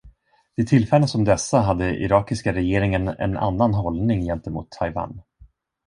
Vid tillfällen som dessa hade irakiska regeringen en annan hållning gentemot Taiwan.